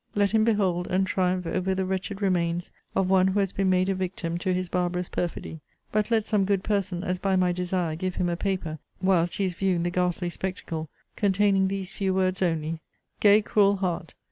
Let him behold, and triumph over the wretched remains of one who has been made a victim to his barbarous perfidy: but let some good person, as by my desire, give him a paper, whilst he is viewing the ghastly spectacle, containing these few words only, 'Gay, cruel heart!